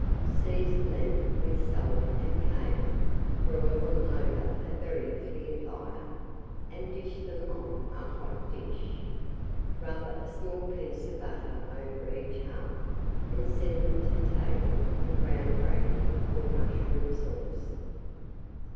Season them with salt and cayenne, broil them over a very clear fire, and dish them on a hot dish; rub a small piece of butter over each half, and send them to table with brown gravy or mushroom sauce.